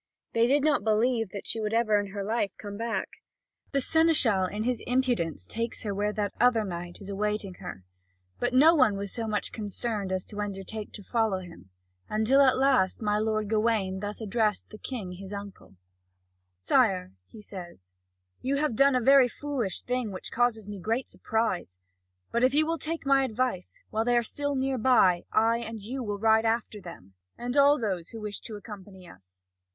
They do not believe that she will ever in her life come back. The seneschal in his impudence takes her where that other knight is awaiting her. But no one was so much concerned as to undertake to follow him; until at last my lord Gawain thus addressed the King his uncle: "Sire," he says, "you have done a very foolish thing, which causes me great surprise; but if you will take my advice, while they are still near by, I and you will ride after them, and all those who wish to accompany us.